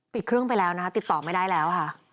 เครื่องไปแล้วนะคะติดต่อไม่ได้แล้วค่ะ